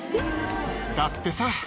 だってさ。